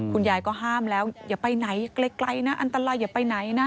คุณยายก็ห้ามแล้วอย่าไปไหนไกลนะอันตรายอย่าไปไหนนะ